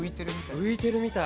浮いてるみたい。